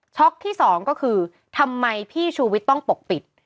ที่สองก็คือทำไมพี่ชูวิทย์ต้องปกปิด